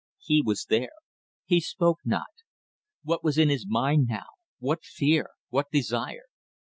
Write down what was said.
He was there. He spoke not. What was in his mind now? What fear? What desire?